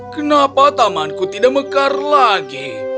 kenapa tamanku tidak mekar lagi